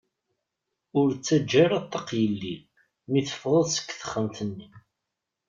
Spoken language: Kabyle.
Ur ttaǧǧa ara ṭṭaq yeldi mi teffɣeḍ seg texxamt-nni.